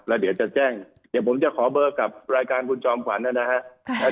แล้วเดี๋ยวจะแจ้งเดี๋ยวผมจะขอเบอร์กับรายการคุณจอมขวัญนะครับ